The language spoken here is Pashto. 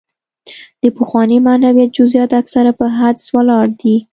د پخواني معنویت جزیات اکثره په حدس ولاړ دي.